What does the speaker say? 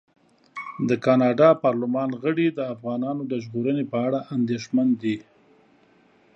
د کاناډا پارلمان غړي د افغانانو د ژغورنې په اړه اندېښمن دي.